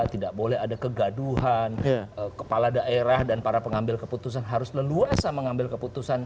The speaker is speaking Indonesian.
tidak boleh ada kegaduhan kepala daerah dan para pengambil keputusan harus leluasa mengambil keputusan